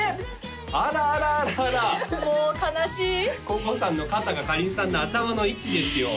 あらあらあらあらもう悲しい瑚々さんの肩がかりんさんの頭の位置ですよ